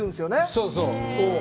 そうそう。